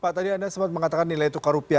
pak tadi anda sempat mengatakan nilai tukar rupiah